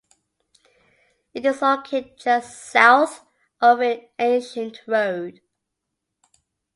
It is located just south of an ancient road.